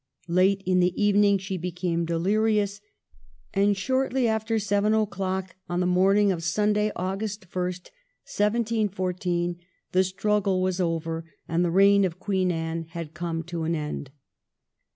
Late in the evening she became delirious, and shortly after seven o'clock on the morning of Sunday, August 1, 1714, the struggle was over, and the reign of Queen Anne had come to an end.